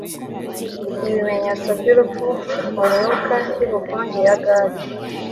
Ibimenyetso byurupfu mumyuka yubukonje ya gale